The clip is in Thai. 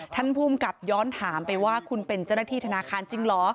ท่านภูมิกับย้อนถามไปว่าคุณเป็นเจ้าหน้าที่ธนาคารจริงเหรอ